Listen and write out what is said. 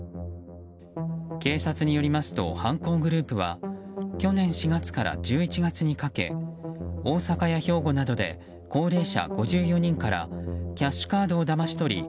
警察によりますと犯行グループは去年４月から１１月にかけ大阪や兵庫などで高齢者５４人からキャッシュカードをだまし取り